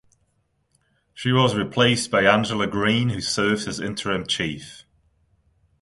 She was replaced by Angela Greene who serves as interim chief.